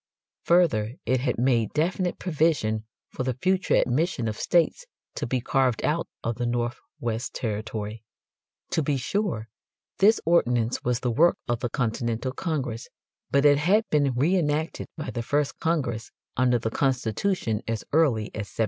Further, it had made definite provision for the future admission of states to be carved out of the Northwest territory. To be sure, this ordinance was the work of the Continental Congress, but it had been re enacted by the first Congress under the Constitution as early as 1789.